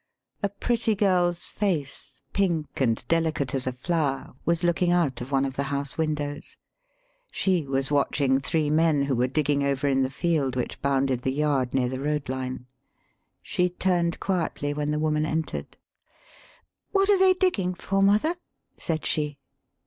A pretty girl's face, pink and delicate as a flower, was looking out of one of the house windows. [She was watching three men who were digging over in the field which bounded the yard near the road line. She turned quietly when the woman entered.] "What are they digging for, mother?" said she.